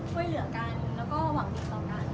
ช่วยเหลือกันแล้วก็หวังดีต่อกัน